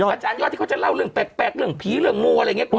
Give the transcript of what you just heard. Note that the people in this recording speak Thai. อาจารยอดที่เขาจะเล่าเรื่องแปลกเรื่องผีเรื่องงูอะไรอย่างนี้